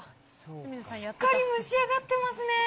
しっかり蒸し上がってますね。